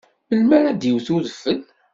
Melmi ara d-iwet udfel?